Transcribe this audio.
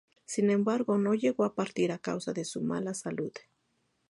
Sin embargo, no llegó a partir, a causa de su mala salud.